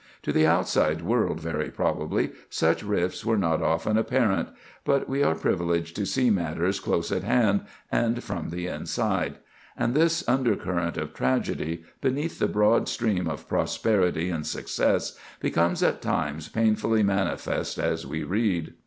To the outside world, very probably, such rifts were not often apparent; but we are privileged to see matters close at hand, and from the inside; and this undercurrent of tragedy, beneath the broad stream of prosperity and success, becomes at times painfully manifest as we read.